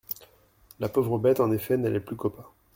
La pauvre bête en effet n'allait plus qu'au pas.